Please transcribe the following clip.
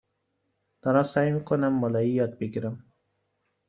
دارم سعی می کنم مالایی یاد بگیرم.